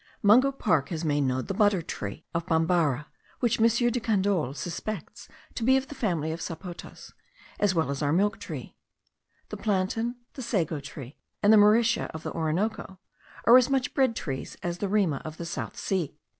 Mungo Park has made known the butter tree of Bambarra, which M. De Candolle suspects to be of the family of sapotas, as well as our milk tree. The plantain, the sago tree, and the mauritia of the Orinoco, are as much bread trees as the rema of the South Sea.